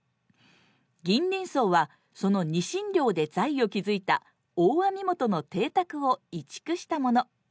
銀鱗荘はそのニシン漁で財を築いた大網元の邸宅を移築したもの。